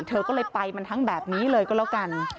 เธอก็เลยไปมันทั้งแบบนี้เลยก็แล้วกัน